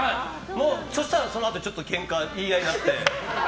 そしたらそのあとケンカ、言い合いになって。